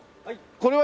はい。